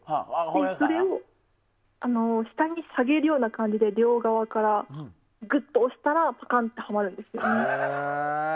それを下に下げるような感じで両側からぐっと押したらぱかんってはまるんですよ。